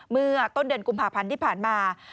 เมื่อต้นเดือนกุมภาพันธ์ที่ผ่านมา